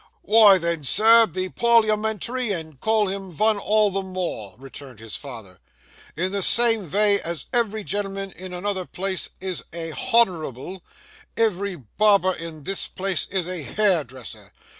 'Wy then, sir, be parliamentary and call him vun all the more,' returned his father. 'In the same vay as ev'ry gen'lman in another place is a _h_onourable, ev'ry barber in this place is a hairdresser.